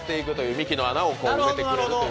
ミキの穴を埋めてくれるという。